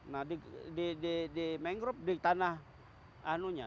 nah di mangrove di tanah anunya